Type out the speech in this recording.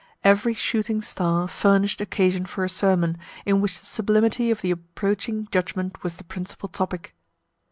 Every shooting star furnished occasion for a sermon, in which the sublimity of the approaching judgment was the principal topic.